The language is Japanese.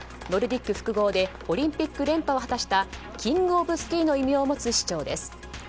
ノルディック複合でオリンピック連覇を果たしたキングオブスキーの異名を持つ市長です。